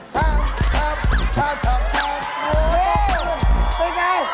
เฮ่ยเป็นอย่างไร